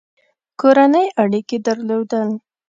کورني اړیکي درلودل.